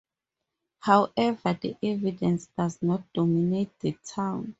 However the evidence does not dominate the town.